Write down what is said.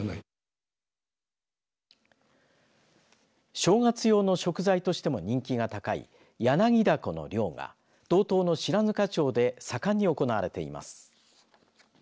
正月用の食材としても人気が高いヤナギダコの漁が道東の白糠町で盛んに行われています。